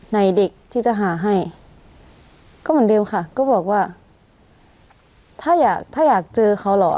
ในเด็กที่จะหาให้ก็เหมือนเดิมค่ะก็บอกว่าถ้าอยากถ้าอยากเจอเขาเหรอ